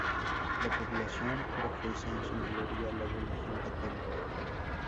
La población profesa en su mayoría la religión católica.